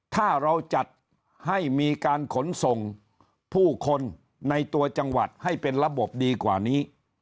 ถ้าเราจัดให้มีการขนส่งผู้คนในตัวจังหวัดให้เป็นระบบดีกว่านี้